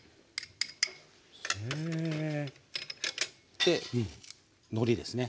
でのりですね。